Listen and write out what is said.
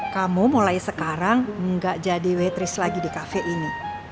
kamu mulai sekarang gak jadi waitress lagi di kafe ini